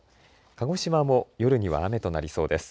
鹿児島も夜には雨となりそうです。